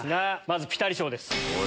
まずピタリ賞です。